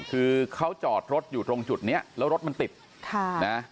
คือเขาจอดรถอยู่ตรงจุดนี้แล้วรถมันติดค่ะนะ